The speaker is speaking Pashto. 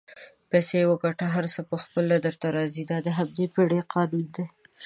پیسې وګټه هر څه پخپله درته راځي دا د همدې پیړۍ قانون دئ